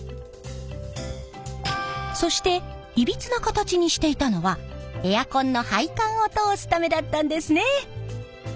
そしていびつな形にしていたのはエアコンの配管を通すためだったんですね！